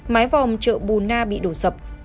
mái vòm chợ bù na bị đổ sập